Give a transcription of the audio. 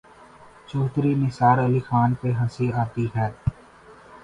چوہدری نثار علی خان پہ ہنسی آتی ہے۔